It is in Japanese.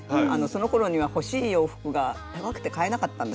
そのころには欲しい洋服が高くて買えなかったんですよ。